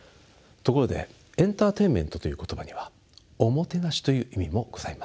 ところでエンターテインメントという言葉にはおもてなしという意味もございます。